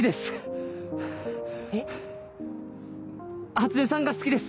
初音さんが好きです。